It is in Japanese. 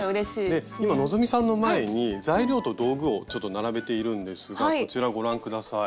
で今希さんの前に材料と道具をちょっと並べているんですがこちらご覧下さい。